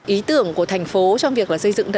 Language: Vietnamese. ý tưởng của thành phố trong việc là xây dựng